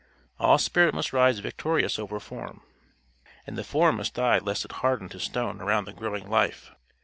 All spirit must rise victorious over form; and the form must die lest it harden to stone around the growing life.